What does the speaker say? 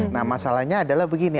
nah masalahnya adalah begini